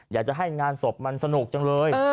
อยากจะให้งานศพมันสนุกจังเลย